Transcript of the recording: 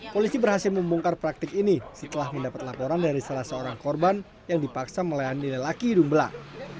polisi berhasil membongkar praktik ini setelah mendapat laporan dari salah seorang korban yang dipaksa melayani lelaki hidung belang